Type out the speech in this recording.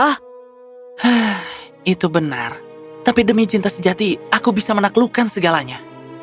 hah itu benar tapi demi cinta sejati aku bisa menaklukkan segalanya